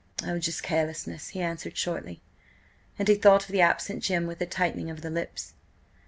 "Oh, just carelessness!" he answered shortly, and he thought of the absent Jim with a tightening of the lips.